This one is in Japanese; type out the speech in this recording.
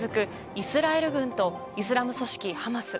イスラエル軍とイスラム組織ハマス。